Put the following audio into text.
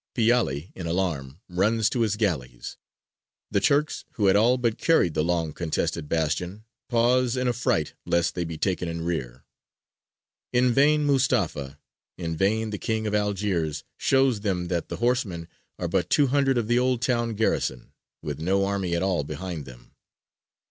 Piāli in alarm runs to his galleys; the Turks who had all but carried the long contested bastion pause in affright lest they be taken in rear. In vain Mustafa, in vain the King of Algiers shows them that the horsemen are but two hundred of the Old Town garrison, with no army at all behind them.